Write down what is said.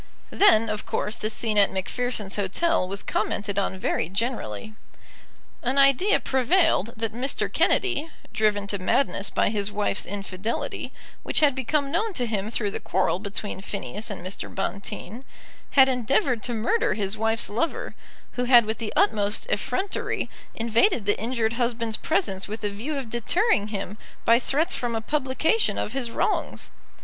Then, of course, the scene at Macpherson's Hotel was commented on very generally. An idea prevailed that Mr. Kennedy, driven to madness by his wife's infidelity, which had become known to him through the quarrel between Phineas and Mr. Bonteen, had endeavoured to murder his wife's lover, who had with the utmost effrontery invaded the injured husband's presence with a view of deterring him by threats from a publication of his wrongs.